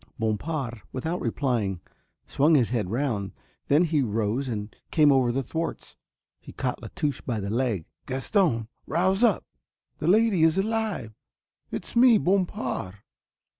Bompard, without replying, swung his head round, then he rose and came over the thwarts. He caught La Touche by the leg. "Gaston rouse up the lady is alive. It's me. Bompard."